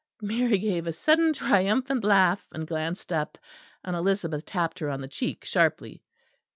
Mary gave a sudden triumphant laugh, and glanced up, and Elizabeth tapped her on the cheek sharply.